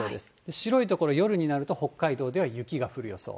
白い所、夜になると北海道では雪が降る予想。